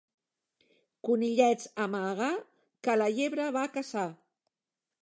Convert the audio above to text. Conillets a amagar, que la llebre va a caçar!